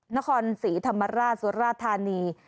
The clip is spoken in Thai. นครศรีธรรมราชสุราธานี